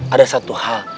ada satu hal